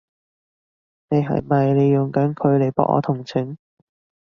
你係咪利用緊佢嚟博我同情？